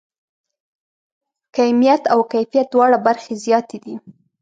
کیمیت او کیفیت دواړه برخې زیاتې دي.